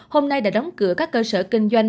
hôm nay đã đóng cửa các cơ sở kinh doanh